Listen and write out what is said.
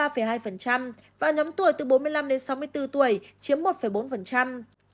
và nhóm tuổi từ bốn mươi năm đến sáu mươi bốn tuổi chiếm một bốn